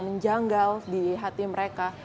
menjanggal di hati mereka